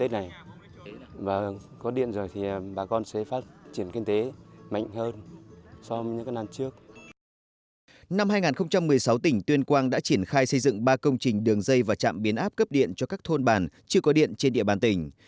năm hai nghìn một mươi sáu tỉnh tuyên quang đã triển khai xây dựng ba công trình đường dây và trạm biến áp cấp điện cho các thôn bản chưa có điện trên địa bàn tỉnh